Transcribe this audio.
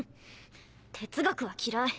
哲学は嫌い。